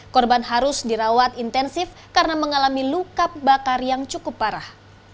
korban harus dirawat intensif karena mengalami luka bakar yang cukup parah